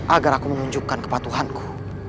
agar aku menunjukkan kepatuhanku